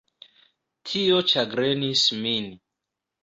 Tio ĉagrenis min.